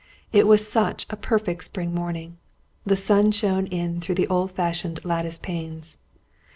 It was such a perfect spring morning! The sun shone in through the old fashioned lattice panes.